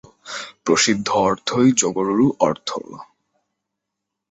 প্রসিদ্ধ অর্থই যোগরূঢ় অর্থ।